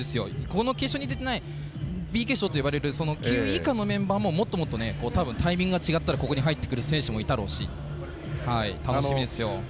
この決勝に出ていないＢ決勝といわれる９位以下のメンバーももっともっとタイミングが違ったらここに入ってくる選手もいただろうし楽しみですよ。